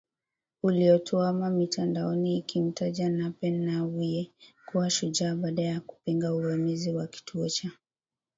uliotuama mitandaoni ikimtaja Nape Nnauye kuwa shujaa baada ya kupinga uvamizi wa kituo cha